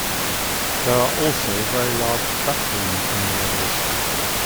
There are also very large trap rooms in the levels.